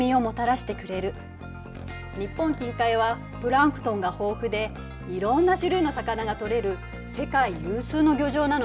日本近海はプランクトンが豊富でいろんな種類の魚がとれる世界有数の漁場なのよ。